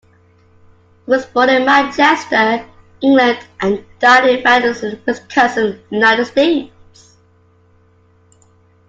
He was born in Manchester, England and died in Madison, Wisconsin, United States.